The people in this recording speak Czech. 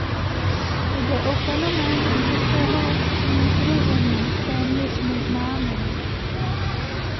Jde o fenomény z českého vnitrozemí téměř neznámé.